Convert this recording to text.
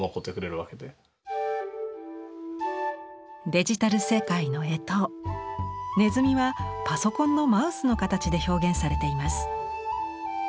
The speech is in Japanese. デジタル世界の干支ねずみはパソコンのマウスの形で表現されています。